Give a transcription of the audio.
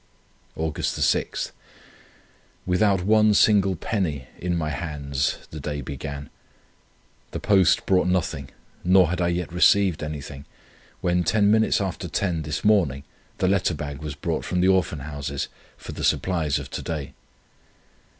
"Aug. 6. Without one single penny in my hands the day began. The post brought nothing, nor had I yet received anything, when ten minutes after ten this morning the letter bag was brought from the Orphan Houses, for the supplies of to day.